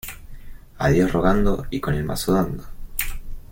A Dios rogando y con el mazo dando.